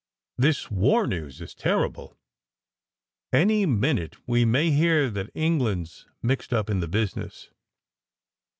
"This war news is terrible. Any minute we may hear that England s mixed up in the business.